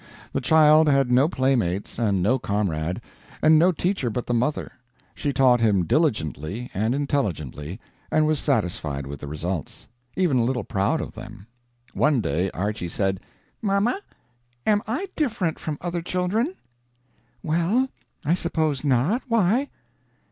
The child had no playmates and no comrade, and no teacher but the mother. She taught him diligently and intelligently, and was satisfied with the results even a little proud of them. One day Archy said, "Mamma, am I different from other children?" "Well, I suppose not. Why?"